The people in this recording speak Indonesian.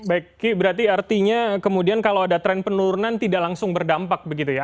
baik ki berarti artinya kemudian kalau ada tren penurunan tidak langsung berdampak begitu ya